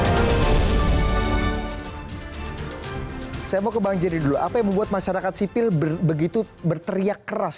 hai saya mau ke banjir dulu apa yang membuat masyarakat sipil berbegitu berteriak keras